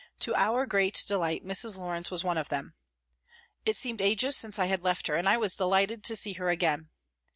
To our great delight Mrs. Lawrence was one of them. It seemed ages since I had left her, and I was delighted to see her again.